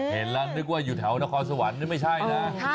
เห็นแล้วนึกว่าอยู่แถวนครสวรรค์นี่ไม่ใช่นะ